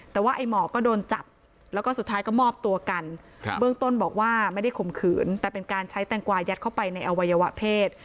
แต่ว่าไอ้หมอก็โดนจับแล้วก็สุดท้ายก็มอบตัวกันเบื้องต้นบอกว่าไม่ได้ข่มขืนแต่เป็นการใช้แตงกวายัดเข้าไปในอวัยวะเพศ